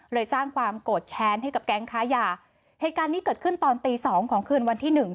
สร้างความโกรธแค้นให้กับแก๊งค้ายาเหตุการณ์นี้เกิดขึ้นตอนตีสองของคืนวันที่หนึ่ง